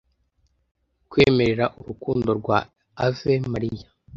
kwemerera urukundo rwa ave maria